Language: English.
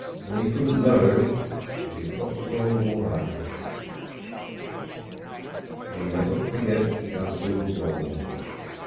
And he couldn't know that he'd got the wrong wire." ••••••• "When 'e doesn't forget, 'e does things wrong."